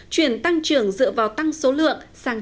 chuyển tăng trưởng dựa vào tăng số lượng